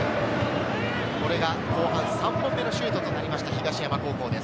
これが後半３本目のシュートとなりました、東山高校です。